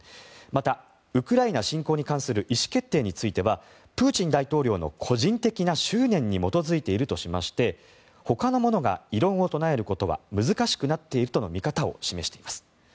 また、ウクライナ侵攻に関する意思決定についてはプーチン大統領の個人的な執念に基づいているとしましてほかの者が異論を唱えることは難しくなっているとの見方を示しています。